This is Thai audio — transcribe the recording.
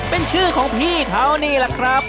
เป็นชื่อของพี่เขานี่แหละครับ